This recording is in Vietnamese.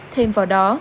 thêm vào đó